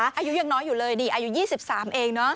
อายุยังน้อยอยู่เลยดีอายุ๒๓เองเนอะ